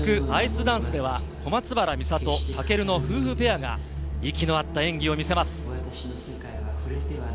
続くアイスダンスでは小松原美里、尊の夫婦ペアが息の合った演技を見せます。